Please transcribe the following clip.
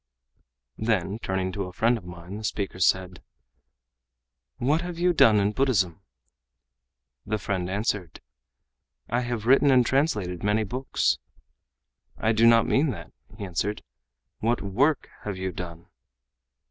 Then turning to a friend of mine the speaker said: "What have you done in Buddhism?" The friend answered: "I have written and translated many books." "I do not mean that," he answered. "What work have you done?"